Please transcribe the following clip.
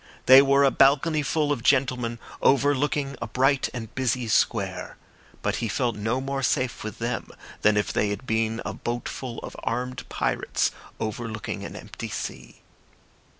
They were a balconyful of gentlemen overlooking a bright and busy square; but he felt no more safe with them than if they had been a boatful of armed pirates overlooking an empty sea.